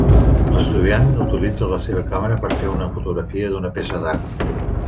L'estudiant utilitza la seva càmera per a fer una fotografia d'una peça d'art.